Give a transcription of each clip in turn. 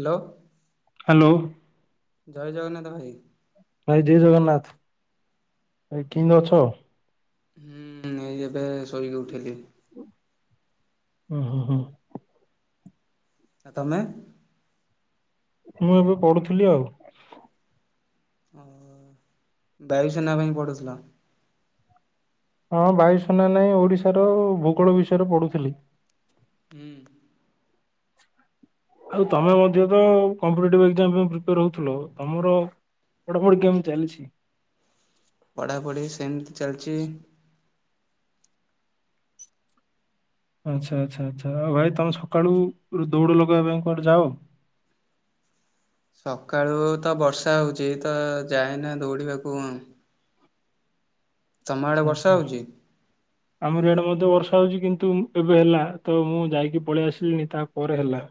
Hello. Hello. ଜୟ ଜଗନ୍ନାଥ ଭାଇ। ଭାଇ ଜିଏ ଜଗନ୍ନାଥ ଭାଇ କିନ୍ତି ଅଛ। ହୁଁ ଏଇ ଏବେ ଶୋଇକି ଉଠିଲିି। ଉଁହୁଁ ହୁଁ। ଆ ତମେ। ମୁଁ ଏବେ ପଢୁଥୁଲି ଆଉ। ଓହୋ ବାୟୁସେନା ପାଇଁ ପଢୁଥୁଲ। ହଁ ବାୟୁସେନା ନାହିଁ ଓଡିଶାର ଭୂଗୋଳ ବିଷୟରେ ପଢୁଥିଲି। ହୁଁ। ଆଉ ତମେ ମଧ୍ୟ ତ କମ୍ପିଟେଟିଭ ଏକ୍ସାମ୍ ପାଇଁ ପ୍ରିପେୟାର ହୋଉଥିଲ ତମର। ପଢ଼ାପଢ଼ି କେମ୍ ଚାଲିଛି। ପଢାପଢି ସେମିତି ଚାଲିଚି। ଆଚ୍ଛା ଆଚ୍ଛା ଆଚ୍ଛା ଆଉ ଭାଇ ତମେ ସକାଳୁ ଦୌଡ଼ ଲଗେଇବା ପାଇଁ କୁଆଡେ ଯାଅ। [inaudible] ସକାଳୁ ତ ବର୍ଷା ହୋଉଚି ତ ଯାଏନା ଦୌଡ଼ିବାକୁ ଉଁ। ଆଚ୍ଛା ଆଚ୍ଛା ହଉଛି? ଆମର ୟାଡେ ବ ତେ ବର୍ଷା ହୋଉଚି କିନ୍ତୁ ଏବେ ହେଲା ତ ମୁଁ ଯାଇକି ପଳେଇ ଆସିଲିଣିି ତା ପରେ ହେଲା।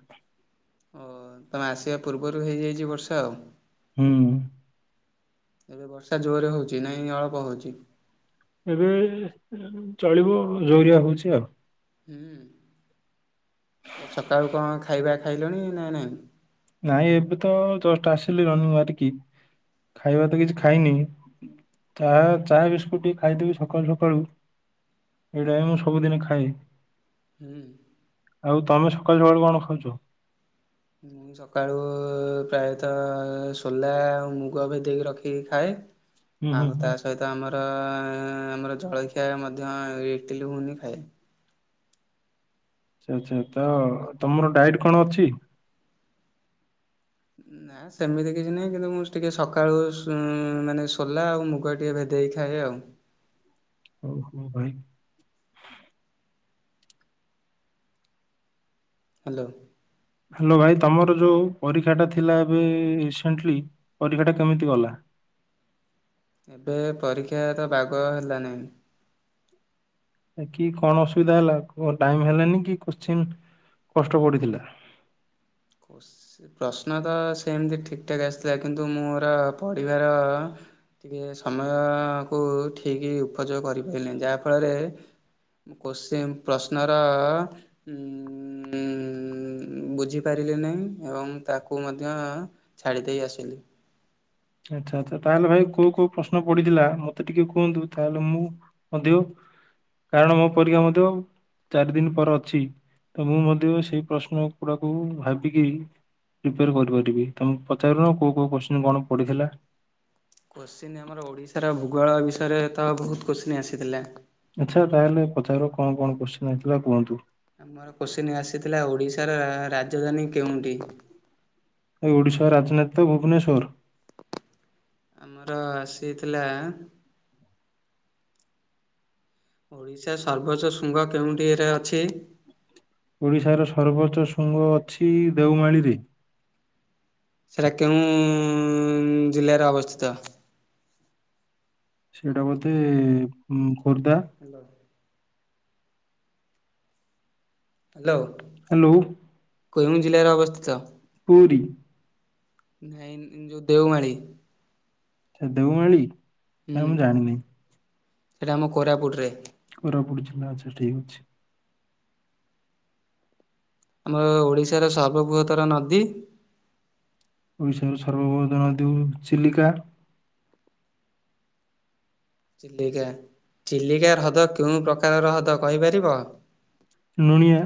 ଓହୋ ତମେ ଆସିବା ପୂର୍ବରୁ ହେଇଯାଇଚି ବର୍ଷା ଆଉ। ହୁଁ। ଏବେ ବର୍ଷା ଜୋରରେ ହୋଉଚି ନାଇଁ ଅଳପ ହୋଉଚି। ଏବେ ଚଳିବ ଜୋରିଆ ହୋଉଛି ଆଉ। ହୁଁ ଏକା ସକାଳୁ କଣ ଖାଇବା ଖାଇଲଣି ନା ନାଇଁ। ନାଇଁ ଏବେ ତ ଜଷ୍ଟ ଆସିଲି ରନିଙ୍ଗି ମାରିକି। ଖାଇବା ତ କିଛି ଖାଇନି। ଚାହା ଚା ବିସ୍କୁଟ ଟିକେ ଖାଇଦେବି ସଖାଳୁ ସକାଳୁ। ଏଇଡ଼ା ହିଁ ମୁଁ ସବୁଦିନି ଖାଏ। ହୁଁ। ଆଉ ତମେ ସକାଳୁ ସକାଳୁ କଣ ଖାଉଚ। ମୁଁ ସକାଳୁ ପ୍ରାୟତଃ ସୋଲା ଆଉ ମୁଗ ଭେଦେଇକି ରଖିକି ଖାଏ। ହୁଁ ହୁଁ ଆଉ ହୁଁ ତା ସହିତ ଆମର ଆମର ଜଳଖି ଖିଆ ମଧ୍ୟ ଇଟିଲି ଗୁଗୁନି ଖାଏ। ଆଚ୍ଛା ଆଚ୍ଛା ତ ତମର ଡାଇଟି କଣ ଅଛି। ନା ସେମିତି କିଛି ନାହିଁ କିନ୍ତୁ ମୁଁ ଟିକେ ସକାଳୁ ଉଁ ମାନେ ସୋଲା ଆଉ ମୁଗ ଟିକେ ଭେଦେ ଦେଇ ଖାଏ ଆଉ। ହୋଉ ହୋଉ ଭାଇ। ହାଲୋ। ହାଲୋ ଭାଇ ତମର ଯୋଉ ପରୀକ୍ଷାଟା ଥିଲା ଏବେ ରିସେଣ୍ଟଲି ପରୀକ୍ଷାଟା କେମିତି ଗଲା। ଏବେ ପରୀକ୍ଷାତ ବାଗ ହେଲା ନାହିଁ। କି କଣ ଅସୁବିଧା ହେଲା କ ଟାଇମ ହେଲାନି କି କୋଷ୍ଚିଁ କଷ୍ଟ ପଡିଥିଲା। କୋସ ପ୍ରଶ୍ନ ତ ସେମିତି ଠିକ ଠାକ୍ ଆସିଥିଲା କିନ୍ତୁ ମୋର ପଢିବାର। ଟିକେ ସମୟ କୁ ଠିକ ଉପଯୋଗ କରିପାଇଲିନି ଯାହା ଫଳରେ। କୋସଚିନ ପ୍ରଶ୍ନର ଉଁ ବୁଝି। ପାରିଲି ନାହିଁ ଏବଂ ତାକୁ ମଧ୍ୟ ଛାଡି ଦେଇ ଆସିଲି। ଆଛା ଆଛା ତାହେଲେ ଭାଇ କୋଉ କୋଉ ପ୍ରଶ୍ନ ପଡିଥିଲା ମତେ ଟିକେ କୁହନ୍ତୁ ତାହେଲେ ମୁଁ ମଧ୍ୟ। କାରଣ ମୋ ପରୀକ୍ଷା ମଧ୍ୟ। ଚାରି ଦିନ ପରେ ଅଛି ତ ମୁଁ ମଧ୍ୟ ସେଇ ପ୍ରଶ୍ନ ଗୁଡାକୁ ଭାବିକି। ପ୍ରିପେୟାର କରିପାରିବି ତମେ ପଚାରୁନ କୋଉ କୋଉ କୋଶ୍ଚିନ୍ କଣ ପଡ଼ିଥିଲା। କୋଶ୍ଚିିନ ଆମର ଓଡିଶାର ଭୂଗୋଳ ବିଷୟରେ ତ ବହୁତ କୋଶ୍ଚିିନ ଆସିଥିଲା। ଆଛା ତାହେଲେ ପଚାର କଣ କଣ କୋସଚୀନ ଆଇଥିଲା କୁହନ୍ତୁ। ଆମର କୋଶିିନ ଆସିଥିଲା ଓଡିଶାର ରାଜଧାନୀ କେଉଁଠି। ଏଇ ଓଡ଼ିଶା ରାଜଧନୀ ତ ଭୁବନେଶ୍ୱର। ଆମର ଆସିଥିଲା। ଓଡ଼ିଶା ସର୍ବୋଚ୍ଚ ଶୃଙ୍ଗ କେଉଁଠିରେ ଅଛି। ଓଡ଼ିଶାର ସର୍ବୋଚ୍ଚ ଶୃଙ୍ଗ ଅଛି ଦେଉମାଳିରେ। ସେଟା କେଉଁ ଜିଲ୍ଲାରେ ଅବସ୍ଥିତ। ସେଇଟା ବୋଧେ ଉଁ। ଖୋର୍ଦ୍ଧା ହାଲୋ। ହାଲୋ। ହାଲୋ। କୋଉଁ ଜିଲ୍ଲାରେ ଅବସ୍ଥିତ। ପୁରୀ। ନାଇଁ ଯୋଉ ଦେଓମାଳିୀ। ଖାଲି ଦେଓମାଳି ଆଉ ହୁଁ। ମୁଁ ଜାଣିନି। ସେଇଟା ଆମ କୋରାପୁଟ ରେ। କୋରାପୁଟ ଆଚ୍ଛା ଠିକ୍ ଅଛି। ଆମର ଓଡିଶାର ସର୍ବବୃହତର ନଦୀ। ଓଡ଼ିଶା ର ସର୍ବବୃହତ ନଦୀ ହଉଚି ଚିଲିକା। ଚିଲିକା ଚିଲିକା ହ୍ରଦ କେଉଁ ପ୍ରକାର ହ୍ରଦ କହିପାରିବ। ନୁଣିଆ।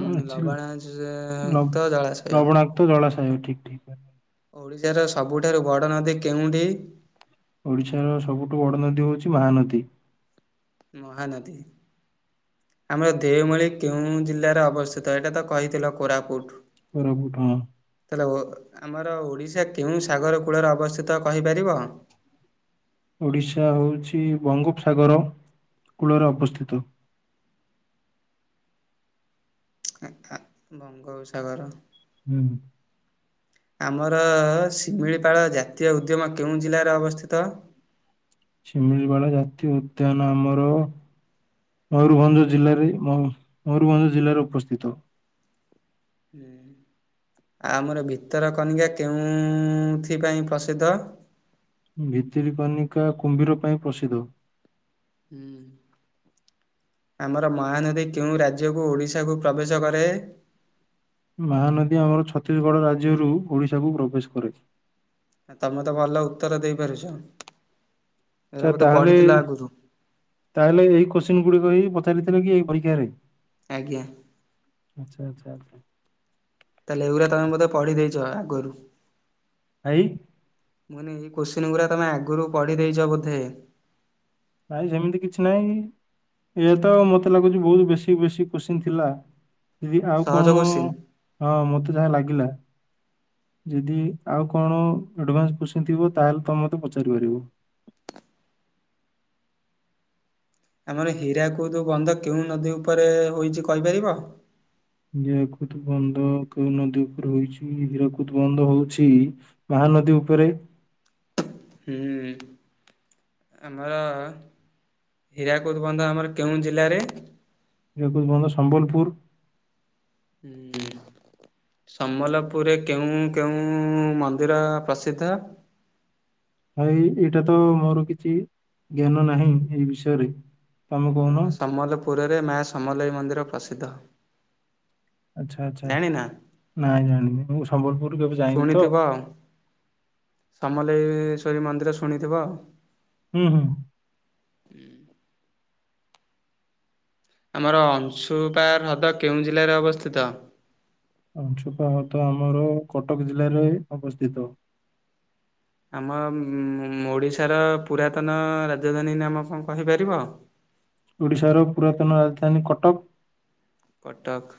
ଉଁ ହୁଁ ଚିଲ ଲବଣାକ୍ତ ଲବ ଜଳାଶୟ। ଲବଣାକ୍ତ ଜଳାଶୟ ଠିକ୍ ଠିକ୍। ଓଡିଶାର ସବୁଠାରୁ ବଡ଼ ନଦୀ କେଉଁଠି। ଓଡିଶାର ସବୁଠୁ ବଡ ନଦୀ ହଉଚି ମାହାନଦୀ। ମହାନଦୀ। ଆମର ଦେଓମାଳି କେଉଁ ଜିଲ୍ଲାରେ ଅବସ୍ଥିତ ଏଇଟା ତ କହିଥିଲ କୋରାପୁଟ। କୋରାପୁଟ ହଁ। ତାହେଲେ ଓ ଆମର ଓଡିଶା କେଉଁ ସାଗର କୂଳରେ ଅବସ୍ଥିତ କହିପାରିବ। ଓଡ଼ିଶା ହଉଚି ବଙ୍ଗୋପସାଗର କୂଳରେ ଅବସ୍ଥିତ। ଆ ଖା ବଙ୍ଗୋପସାଗର। ହୁଁ। [inaudible] ଆମର ଶିମିଳିପାଳ ଜାତୀୟ ଉଦ୍ୟମ କେଉଁ ଜିଲ୍ଲାରେ ଅବସ୍ଥିତ। ଶିମିଳିପାଳ ଜାତୀୟ ଉଦ୍ୟାନ ଆମର। ମୟୂରଭଞ୍ଜ ଜିଲାରେ ମଉ ମୟୂରଭଞ୍ଜ ଜିଲ୍ଲାରେ ଉପସ୍ଥିତ। ଏଁ। ଆମର ଭିତର କନିକା କେଉଁଥି ପାଇଁ ପ୍ରସିଦ୍ଧ। ଭିତିରି କନିକା କୁମ୍ଭୀର ପାଇଁ ପ୍ରସିଦ୍ଧ। ଉଁ। ଆମର ମହାନଦୀ କେଉଁ ରାଜ୍ୟକୁ ଓଡ଼ିଶାକୁ ପ୍ରବେଶ କରେ। ମହାନଦୀ ଆମର ଛତିଶଗଡ଼ ରାଜ୍ୟରୁ ଓଡ଼ିଶାକୁ ପ୍ରବେଶ କରେ। ତମେ ତ ଭଲ ଉତ୍ତର ଦେଇପାରୁଚ। ଆଛା ତାହେଲେ ତାହେଲେ ଏଇ କୋଶ୍ଚନ୍ ଗୁଡିକ ହି ପଚାରି [unintelligible] ଏଇ ପରିକା ରହିବ। ଆଜ୍ଞା। ଆଚ୍ଛା ଆଚ୍ଛା ଆଛା। ତାହେଲେ ଏଉରା ତମେ ବୋଧେ ପଢି ଦେଇେଛ ଆଗରୁ। ଭାଇ। ମାନେ ଏଇ କୋଶ୍ଚିିନି ଗୁଡ଼ା ତମେ ଆଗରୁ ପଢି ଦେଇେଇଛ ବୋଧେ। ନାଇଁ ସେମିତି କିଛି ନାଇଁ। ଇଏ ତ ମୋତେ ଲାଗୁଛି ବହୁତ ବେଶୀ ବେଶୀ କୋଶ୍ଚିନ୍ ଥିଲା। ଦିଦି ଆଉ ସହଜ କଣ କୋଶ୍ଚିନ୍। ହଁ ମତେ ଯାହା ଲାଗିଲା। ଯଦି ଆଉ କଣ ଆଡଭାନ୍ସ କୋଶ୍ଚିନ୍ ଥିବ ତାହେଲେ ତମେ ମତେ ପଚାରି ପାରିବ। [inaudible] ଆମର ହୀରାକୁଦ ବନ୍ଧ କେଉ ନଦୀ ଉପରେ ହୋଇଚି କହିପାରିବ। ହିରାକୁଦ ବନ୍ଧ କେଉଁ ନଦୀ ଉପରେ ହୋଇଛି ହରାକୁଦ ବନ୍ଧ ହଉଛି ମା ମହାନଦୀ ଉପରେ। ହୁଁ ଆମର ହୀରାକୁଦ ବନ୍ଧ ଆମର କେଉଁ ଜିଲ୍ଲାରେ ହୀରାକୁଦ ବନ୍ଧ ସମ୍ବଲପୁର। ହୁଁ ସମଲପୁରରେ କେଉଁ କେଉଁ ମନ୍ଦିର ପ୍ରସିଦ୍ଧ? ଭାଇ ଏଇଟା ତ ମୋର କିଛି ଜ୍ଞାନ ନାହିଁ ଏଇ ବିଷୟରେ ତମେ କହୁନ ଆମର ସମ୍ବଲପୁରରେ ମା ସମଲେଇ ମନ୍ଦିର ପ୍ରସିଦ୍ଧ। ଆଛା ଆଛା ଜାଣିନା? ନାଇଁ ଜାଣିନି ମୁଁ ସମ୍ବଲପୁରରୁ କେବେ ଯାଇନି ତ। ସମଲେଇଶ୍ଵରୀ ମନ୍ଦିର ଶୁଣିଥିବ ଆ। ହୁଁ ହୁଁ ହୁଁ [unintelligible] ଆମର ଅଂଶୁପା ହ୍ରଦ କେଉଁ ଜିଲ୍ଲାରେ ଅବସ୍ଥିତ? ଅଂଶୁପା ହ୍ରଦ ଆମର କଟକ ଜିଲ୍ଲାରେ ଅବସ୍ଥିତ। ଆମ ଅମ୍ ଓଡିଶାର ପୁରାତନ ରାଜଧାନୀ ନାମ କଣ କହିପାରିବ? ଓଡ଼ିଶାର ପୁରାତନ ରାଜଧାନୀ କଟକ। କଟକ।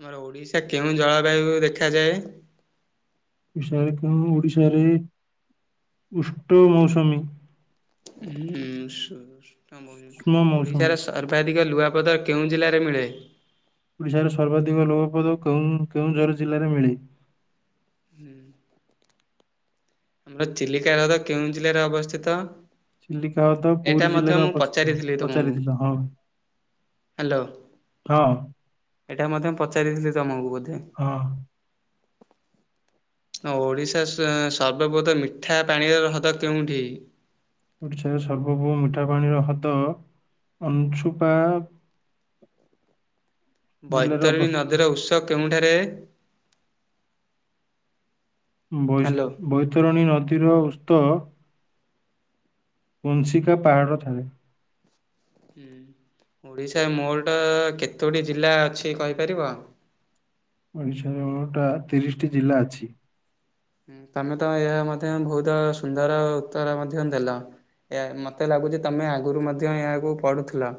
ଆମର ଓଡିଶା କେଉଁ ଜଳବାୟୁ ଦେଖାଯାଏ? [unintelligible] ଓଡିଶାରେ ଉଷ୍ଣ ମୌସୁମୀ। [unintelligible] ହୁଁ ଉଷ୍ମ ମୌସୁମୀ ଓଡିଶାରେ [unintelligible] ଅଧିକ ଲୁଆପଥର କେଉଁ ଜିଲ୍ଲାରେ ମିଳେ? ଓଡ଼ିଶାର ସର୍ବାଧିକ [unintelligible] ପଦ କେଉଁ କେଉଁଝର ଜିଲ୍ଲାରେ ମିଳେ। ହୁଁ ଆମର ଚିଲିକା ହ୍ରଦ କେଉଁ ଜିଲ୍ଲାରେ ଅବସ୍ଥିତ? ଚିଲିକା ହ୍ରଦ ଏଇଟା ପୁରୀ [unintelligible] ମଧ୍ୟ ଜିଲ୍ଲାରେ ମୁଁ ଅବସ୍ଥିତ ପଚାରିଥିଲି ତମକୁ ପଚାରିଥିଲ ହଁ ହ୍ୟାଲୋ ହଁ ଏଇଟା ମଧ୍ୟ ପଚାରିଥିଲି ତମକୁ ବୋଧେ। ହଁ ଅ ଓଡିଶା ଶ ଶ୍ ସର୍ବବୃହତ ମିଠା ପାଣିର ହ୍ରଦ କେଉଁଠି? ଓଡ଼ିଶାର ସର୍ବବୃହତ୍ ମିଠା ପାଣିର ହଦ ଅଂଛୁପା [inaudible] ବୈତରଣୀ ଅବସ୍ଥିତ ନଦୀର ଉତ୍ସ କେଉଁଠାରେ ବୈସ ହ୍ୟାଲୋ ବୈତରଣୀ ନଦୀର ଉସ୍ତ୍ କୁଂସିକା ପାହାଡ଼ ଥାଲେ। ହୁଁ। ଓଡିଶା ମୋଟ କେତୋଟି ଜିଲ୍ଲା ଅଛି କହିପାରିବ? ଓଡ଼ିଶାରେ ମୋଟ ତିରିଶଟି ଜିଲ୍ଲା ଅଛି। ତମେ ତ ଏହା ମଧ୍ୟ ବହୁତ ସୁନ୍ଦର ଉତ୍ତର ମଧ୍ୟ ଦେଲ। ଏ ମତେ ଲାଗୁଚି ତମେ ଆଗରୁ ମଧ୍ୟ ଏହାକୁ ପଢୁଥିଲ।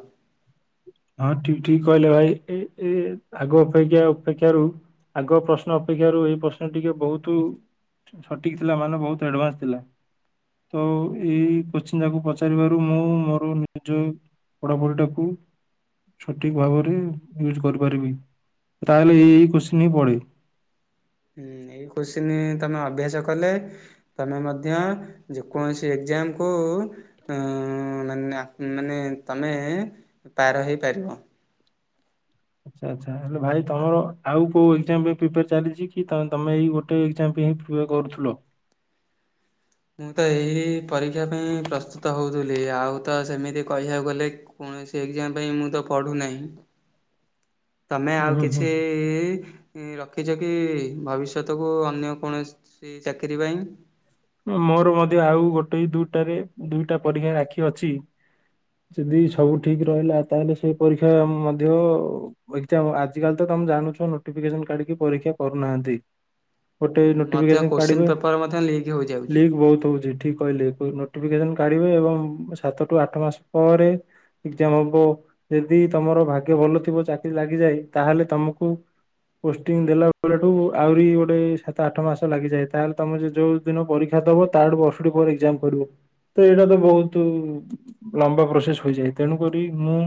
ହଁ ଠିକ୍ ଠିକ୍ କହିଲେ ଭାଇ ଏ ଏ ଆଗ ଅପେକ୍ଷା ଅପେକ୍ଷା ରୁ ଆଗ ପ୍ରଶ୍ନ ଅପେକ୍ଷାରୁ ଏଇ ପ୍ରଶ୍ନ ଟିକେ ବହୁତ ସଠିକ୍ ଥିଲା ମାନେ ବହୁତ ଆଡଭାନ୍ସ ଥିଲା। ତ ଏଇ କୋଶ୍ଚିନ୍ ଟାକୁ ପଚାରିବାରୁ ମୁଁ ମୋର ନିଜ ପଢାପଢିଟାକୁ ସଠିକ୍ ଭାବରେ ୟୁଜ୍ କରିପାରିବି। ତାହେଲେ ଏଇ ଏଇ କୋଶ୍ଚିନ୍ ହିଁ ପଡ଼େ। ହୁଁ ଏଇ କୋଶ୍ଚିନ ତମେ ଅଭ୍ୟାସ କଲେ ତମେ ମଧ୍ୟ ଯେ କୌଣସି ଏ ଏଜ୍ଜାମ୍ କୁ ମାନେ ମାନେ ତମେ ପାର ହେଇପାରିବ। [unintelligible] ଆଚ୍ଛା ଆଚ୍ଛା ହେଲେ ଭାଇ ତମର ଆଉ କୋଉ ଏଜ୍ଜାମ୍ ପାଇଁ ପ୍ରିପାର ଚାଲିଚି କି ତମେ ଏଇ ଗୋଟେ ଏଜ୍ଜାମ୍ [unintelligible] କରୁଥିଲ। [inaudible] ମୁଁ ତ ଏହି ପରୀକ୍ଷା ପାଇଁ ପ୍ରସ୍ତୁତ ହଉଥିଲି। ଆଉ ତ ସେମିତି କହିବାକୁ ଗଲେ କୌଣସି ସେ ଏକ୍ଜାମ ପାଇଁ ମୁଁ ତ ପଢୁନାହିଁ। ତମେ ହୁଁ ଆଉ ହୁଁ ହୁଁ କିଛି ରଖିଚ କି ଭବିଷ୍ୟତକୁ ଅନ୍ୟ କୌଣସି ଚାକିରୀ ପାଇଁ? ମୋର ମଧ୍ୟ ଆଉ ଗୋଟେ ଦୁଇଟାରେ ଦୁଇଟା ପରୀକ୍ଷାରେ ଆଖି ଅଛି। ଯଦି ସବୁ ଠିକ୍ ରହିଲା ତାହେଲେ ସେ ପରୀକ୍ଷା ମଧ୍ୟ ଏକ୍ଜାମ ଆଜିକାଲି ତ ତମେ ଜାଣୁଛ ନୋଟିଫିକେସନ୍ କାଢିକି ପରୀକ୍ଷା କରୁନାହାନ୍ତି। ଗୋଟେ ମଧ୍ୟ ନୋଟିଫିକେସନ କାଢିବେ କୋଶ୍ଚିନ୍ ପେପର ମଧ୍ୟ ଲିକ୍ ହଉଚି। ଲିକ୍ ବହୁତ ହଉଚି ଠିକ୍। କହିଲେ ନୋଟିଫିକେସନ୍ କାଢିବେ ଏବଂ ସାତଠୁ ଆଠ ମାସ ପରେ ଏକ୍ଜାମ ହବ। ଯଦି ତମର ଭାଗ୍ୟ ଭଲ ଥିବ ଚାକିରୀ ଲାଗିଯାଏ। ତାହେଲେ ତମକୁ ପୋଷ୍ଟିଂ ଦେଲା ବେଳଠୁ ଆହୁରି ଗୋଟେ ସାତ ଆଠ ମାସ ଲାଗିଯାଏ। ତାହେଲେ ତମେ ଯୋ ଯୋଉ ଦିନ ପରୀକ୍ଷା ଦବ ତାଠୁ ବର୍ଷଟି ପରେ ଏକ୍ଜାମ ପଡିବ। ତ ଏଇଟା ତ ବହୁତ ଲମ୍ବା ପ୍ରୋସେସ ହୋଇଯାଏ। ତେଣୁକରି ମୁଁ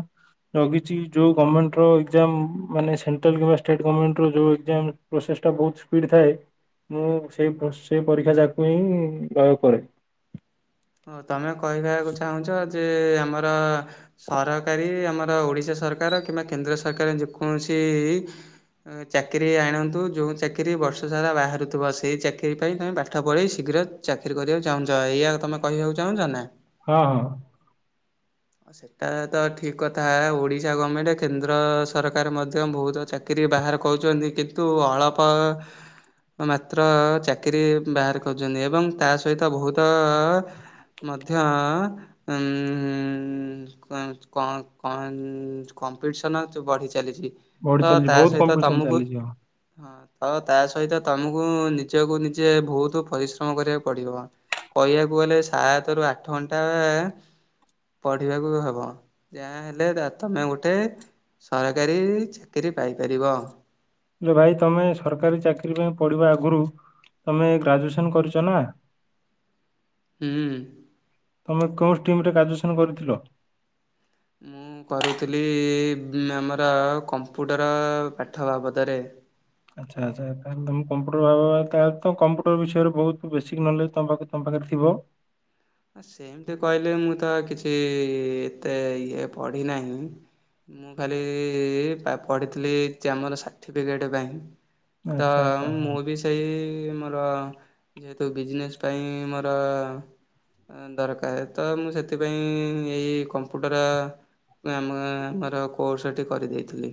ଲଗିଛି ଯୋଉ ଗମେଣ୍ଟ ର ଏକ୍ଜାମ ମାନେ ସେଣ୍ଟ୍ରାଲ୍ କିମ୍ବା ଷ୍ଟେଟ ଗମେଣ୍ଟ ର ଯୋଉ ଏକ୍ଜାମ ପ୍ରୋସେ ସ୍ ଟା ବହୁତ ସ୍ପିଡ୍ ଥାଏ ମୁଁ ସେ ସେ ପରୀକ୍ଷା ଯା [unintelligible] ହଁ ତମେ କହିବାକୁ ଚାହୁଁଚ ଯେ ଆମର ସରକାରୀ ଆମ ଓଡିଶା ସରକାର କିମ୍ବା କେନ୍ଦ୍ର ସରକାର ଯେକୌଣସି ଚାକିରୀ ଆଣନ୍ତୁ ଯୋଉ ଚାକିରୀ ବର୍ଷ ସାରା ବାହାରୁଥିବ। ସେଇ ଚାକିରୀ ପାଇଁ ତମେ ପାଠ ପଢ଼ି ଶୀ ଶୀଘ୍ର ଚାକିରୀ କରିବାକୁ ଚାହୁଁଚ। ଏଇଆ ତମେ କହିବାକୁ ଚାହୁଁଛ ନା। ହଁ ହଁ। ଆଉ ସେଟା ତ ଠିକ୍ କଥା। ଓଡିଶା ଗମେଣ୍ଟ କେନ୍ଦ୍ର ସରକାର ମଧ୍ୟ ବହୁତ ଚାକିରୀ ଟିକେ ବାହାର କରୁଚନ୍ତି। କିନ୍ତୁ ଅଳପ ମାତ୍ର ଚାକିରୀ ବାହାର କରୁଛନ୍ତି। ଏବଂ ତା ସହିତ ବହୁତ ମଧ୍ୟ ଉଁ କ କଣ କଣ କମ୍ପିଟିସନ୍ ଚ ବଢ଼ି ଚାଲିଚି। ବଢି ତ ଚାଲିଛି ତା ବହୁତ ସହିତ କମ୍ପିଟିସନ ତମକୁ ଚାଲିଛି ହଁ ହଁ। ତ ତା ସହିତ ତମକୁ ନିଜକୁ ନିଜେ ବହୁତ ପରିଶ୍ରମ କରିବାକୁ ପଡିବ। କହିବାକୁ ଗଲେ ସାତରୁ ଆଠ ଘଣ୍ଟା ପଢିବାକୁ ହବ। ଯାହା ହେଲେ ତମେ ଗୋଟେ ସରକାରୀ ଚାକିରୀ ପାଇପାରିବ। ଯେ ଭାଇ ତମେ ସରକାରୀ ଚାକିରୀ ପାଇଁ ପଢିବା ଆଗରୁ ତମେ ଗ୍ରାଜୁଏସନ କରିଛ ନା ହୁଁ ତମେ କେଉଁ ଷ୍ଟିମ୍ ରେ ଗ୍ରାଜୁଏସନ କରିଥିଲ ମୁଁ କରୁଥିଲି ଆମର କମ୍ପ୍ୟୁଟର ପାଠ ବାବଦରେ ଆଚ୍ଛା ଆଚ୍ଛା ତାଲେ ତମେ କମ୍ପୁଟର ବାବ ତାହେଲେ ତ କମ୍ପୁଟର ବିଷୟରେ ବହୁତ ବେସିକ୍ ନଲେଜ ତମ ପା ତମ ପା - ଖରେ ଥିବ ସେମିତି କହିଲେ ମୁଁ ତ କିଛି ଏତେ ଇଏ ପଢିନାହିଁ ମୁଁ ଖାଲି ପା ପଢିଥିଲି ଚାମନ୍ ସର୍ଟିଫିକେଟ ବ୍ୟାଙ୍କ ତ ଆଚ୍ଛା ଆଚ୍ଛା ହଁ। ମୁଁ ବି ସେଇ ମୋର ଯେହେତୁ ବିଜନେସ୍ ପାଇଁ ମୋର ଦରକାର ତ ମୁଁ ସେଥିପାଇଁ ଏଇ ନା ଆମ ଗାଁ ଆମର କୋର୍ସ ଏଠି କରିଦେଇଥିଲି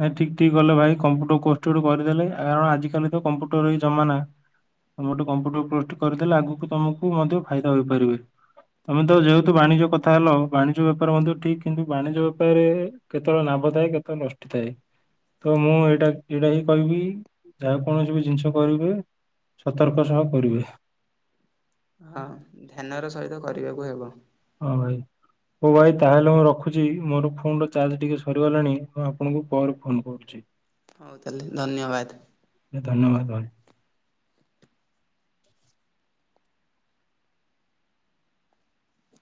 ନାଇ ଠିକ ଠିକ କଲେ ଭାଇ କମ୍ପୁଟର କୋର୍ସ ଟି ଗୋଟେ କରିଦେଲେ ଆ ଆଜିକାଲି ତ କମ୍ପ୍ୟୁଟର ହିଁ ଜମାନାହିଁ ତମେ ଗୋଟେ କମ୍ପ୍ୟୁଟର କୋର୍ସ ଟି କରିଦେଲେ ଆଗକୁ ତମକୁ ମଧ୍ୟ ଫାଇଦା ହୋଇପାରିବେ ତମେ ତ ଯେହେତୁ ବାଣିଜ୍ୟ କଥା ହେଲ ବା- ଶୁଭ ଥାଏ କେତେ ନଷ୍ଟି ଥାଏ ତ ମୁଁ ଏଇଟା ଏଇଟା ହିଁ କହିବି ଯାହା କୌଣସି ବି ଜିନିଷ କରିବେ ସତର୍କ ସହ କରିବେ ହଁ ଧ୍ୟାନ ର ସହିତ କରିବାକୁ ହେବ ହଁ ଭାଇ ହୋ ଭାଇ ତାହେଲେ ମୁଁ ରଖୁଛି ମୋର ଫୋନର ଚାର୍ଜ ଟିକେ ସରିଗଲାଣି ମୁଁ ଆପଣଙ୍କୁ ପରେ ଫୋନ କରୁଛି ହୋଉ ତାହେଲେ ଧନ୍ୟବାଦ ଧନ୍ୟବାଦ ଭାଇ